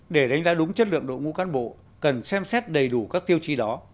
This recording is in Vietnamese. để đánh giá đúng chất lượng đội ngũ cán bộ cần xem xét đầy đủ các tiêu chí đó